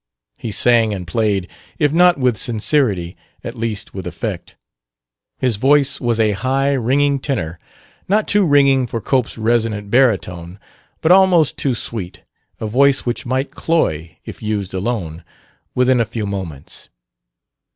He sang and played, if not with sincerity, at least with effect. His voice was a high, ringing tenor; not too ringing for Cope's resonant baritone, but almost too sweet: a voice which might cloy (if used alone) within a few moments.